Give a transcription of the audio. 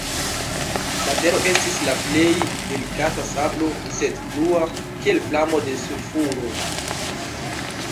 La tero estis la plej delikata sablo, sed blua, kiel flamo de sulfuro.